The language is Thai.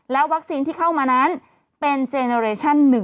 วัคซีนที่เข้ามานั้นเป็นเจเนอเรชั่น๑